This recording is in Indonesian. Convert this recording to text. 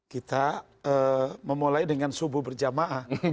kita memulai dengan subuh berjamaah